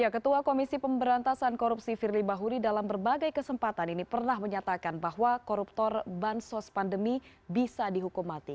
ketua komisi pemberantasan korupsi firly bahuri dalam berbagai kesempatan ini pernah menyatakan bahwa koruptor bansos pandemi bisa dihukum mati